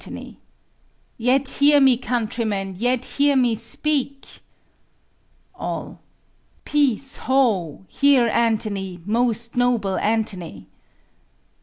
_ Yet hear me, countrymen; yet hear me speak. All. Peace, ho! Hear Antony, most noble Antony.